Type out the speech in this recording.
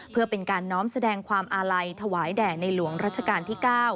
เพื่อเป็นการน้อมแสดงความอาลัยถวายแด่ในหลวงรัชกาลที่๙